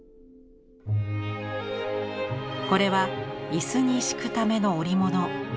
これは椅子に敷くための織物。